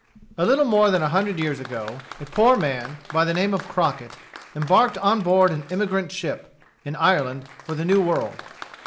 A little more than a hundred years ago, a poor man, by the name of Crockett, embarked on board an emigrant ship, in Ireland, for the New World.